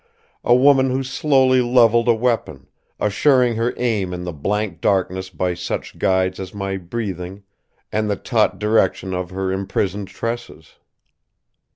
A woman who slowly levelled a weapon, assuring her aim in the blank darkness by such guides as my breathing and the taut direction of her imprisoned tresses.